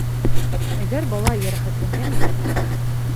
Әгәр бала йәрәхәтләнгән икән...